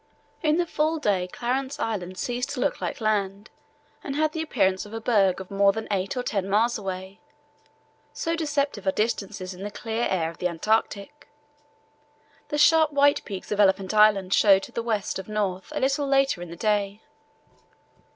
In the full daylight Clarence Island ceased to look like land and had the appearance of a berg of more than eight or ten miles away, so deceptive are distances in the clear air of the Antarctic. The sharp white peaks of Elephant Island showed to the west of north a little later in the day.